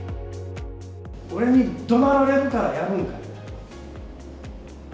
俺にどなられるからやるんかい。